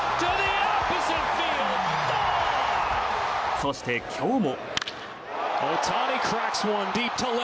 そして、今日も。